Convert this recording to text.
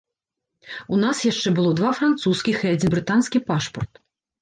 У нас яшчэ было два французскіх і адзін брытанскі пашпарт.